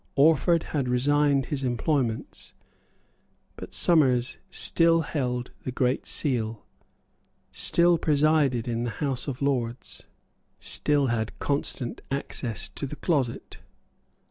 Orford had resigned his employments. But Somers still held the Great Seal, still presided in the House of Lords, still had constant access to the closet.